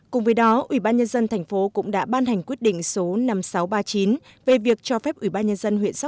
cùng với đó ubnd tp cũng đã ban hành quyết định số năm nghìn sáu trăm ba mươi chín về việc cho phép ubnd tp giao đất tái định cư cho các hộ thuộc địa bàn xã nam sơn